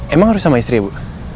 emang harus sama istri ya bu